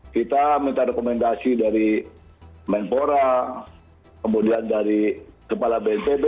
kita minta rekomendasi dari menpora kemudian dari kepala bnpb